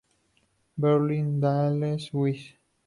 Berlin-Dahlem; Wiss.